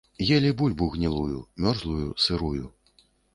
Елі бульбу гнілую, мёрзлую, сырую.